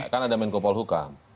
kan ada menko paul hukam